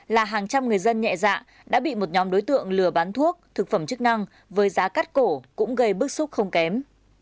là hàng trăm người dân nhẹ dạ đã bị một nhóm đối tượng lừa bán thuốc thực phẩm chức năng với giá cắt cổ cũng gây bức xúc không kém